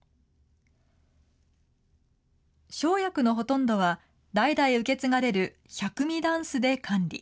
生薬のほとんどは、代々受け継がれる百味箪笥で管理。